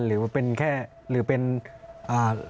หรือเป็นแค่หรือเป็นหลักฐาน